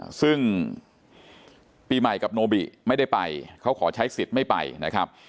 ซึ่งปีใหม่กับโนบิไม่ได้ไปเขาขอใช้สิทธิ์ไม่ไปนะครับ